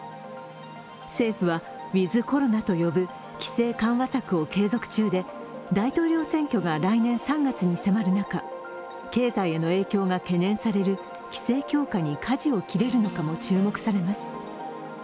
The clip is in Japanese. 政府はウィズ・コロナと呼ぶ規制緩和策を継続中で大統領選挙が来年３月に迫る中、経済への影響が懸念される規制強化にかじを切れるのかも注目されます。